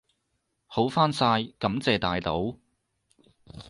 好返晒，感謝大佬！